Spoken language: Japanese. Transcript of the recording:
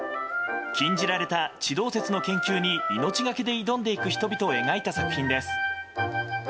禁じられた地動説の研究に命がけで挑んでいく人々を描いた作品です。